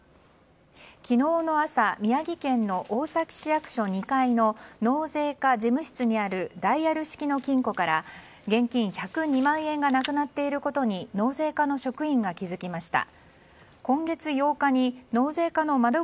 昨日の朝宮城県の大崎市役所２階の納税課事務室にあるダイヤル式の金庫から現金１０２万円がなくなっていることに納税課の職員が気づきました。